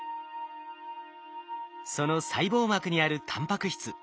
その細胞膜にあるタンパク質。